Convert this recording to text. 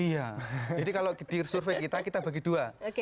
iya jadi kalau di survei kita kita bagi dua